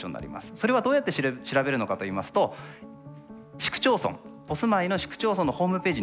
それはどうやって調べるのかといいますと市区町村お住まいの市区町村のホームページに載ってます。